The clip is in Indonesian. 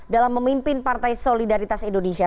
dalam memimpin partai solidaritas indonesia